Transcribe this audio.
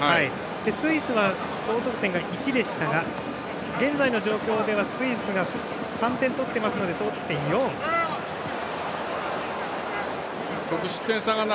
スイスの総得点が１でしたが現在の状況ではスイスが３点取っていますので総得点が４。